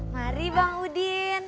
mari bang udin